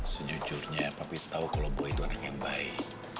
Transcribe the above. sejujurnya papi tau kalau boy itu anak yang baik